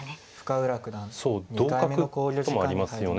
そう同角ともありますよね